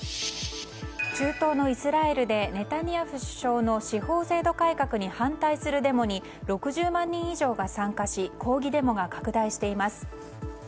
中東のイスラエルでネタニヤフ首相の司法制度改革に反対するデモに６０万人以上が参加し抗議デモが拡大しています。